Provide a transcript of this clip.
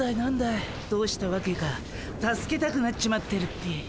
いどうしたわけか助けたくなっちまってるっピィ。